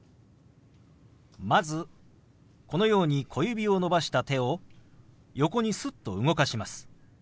まずこのように小指を伸ばした手を横にすっと動かします。